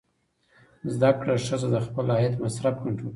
زده کړه ښځه د خپل عاید مصرف کنټرولوي.